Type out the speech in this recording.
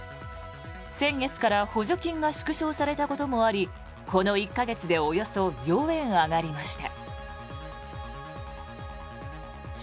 先月から補助金が縮小されたこともありこの１か月でおよそ４円上がりました。